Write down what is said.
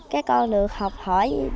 các con được học hỏi